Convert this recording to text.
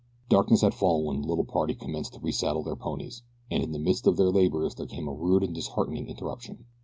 Darkness had fallen when the little party commenced to resaddle their ponies and in the midst of their labors there came a rude and disheartening interruption.